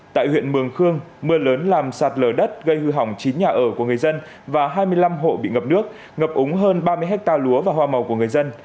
tại huyện mường khương mưa lớn làm sạt lở đất gây hư hỏng chín nhà ở của người dân và hai mươi năm hộ bị ngập nước ngập úng hơn ba mươi hectare lúa và hoa màu của người dân